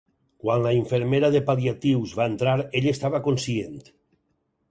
Quan la infermera de pal·liatius va entrar ell estava conscient.